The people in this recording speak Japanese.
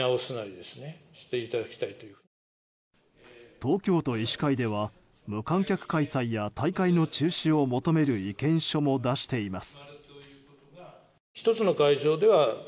東京都医師会では無観客開催や大会の中止を求める意見書も出しています。